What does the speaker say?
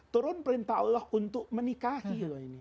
turun perintah allah untuk menikahi